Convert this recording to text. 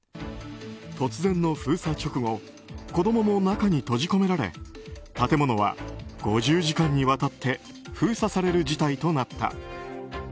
突然の封鎖直後子供も中に閉じ込められ建物は５０時間にわたって封鎖される事態となった。